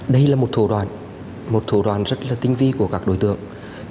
đây là một thủ đoạn một thủ đoàn rất là tinh vi của các đối tượng